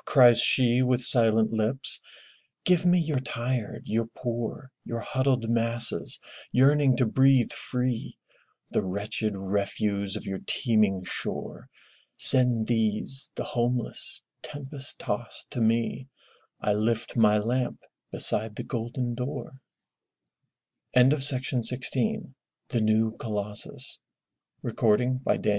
'' cries she With silent lips. Give me your tired, your poor. Your huddled masses yearning to breathe free, The wretched refuse of your teeming shore. Send these, the homeless, tempest tost to me, I lift my lamp beside the golden door!*' ♦ From Poems. Used by permission of Houghton Mifflin Company.